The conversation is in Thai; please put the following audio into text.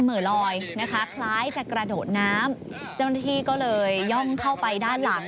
เจ้าหน้าที่ก็เลยย่องเข้าไปด้านหลัง